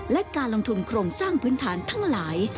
และการลงทุนโครงสร้างพื้นฐานทั้งหลาย